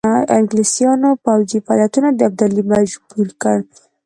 انګلیسیانو پوځي فعالیتونو ابدالي مجبور کړ.